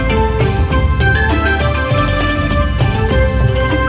โชว์สี่ภาคจากอัลคาซ่าครับ